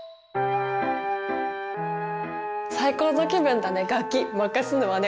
「最高の気分だね